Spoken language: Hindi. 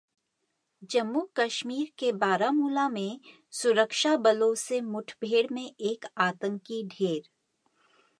जम्मू कश्मीर के बारामूला में सुरक्षाबलों से मुठभेड़ में एक आतंकी ढेर